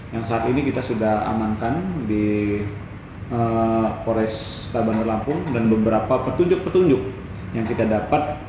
yang saat ini kita sudah amankan di pores tabandar lampung dan beberapa petunjuk petunjuk yang kita dapat